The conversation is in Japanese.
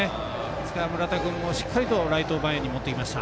ですから、村田君もしっかりとライト前に持っていきました。